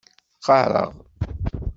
Qqaṛeɣ.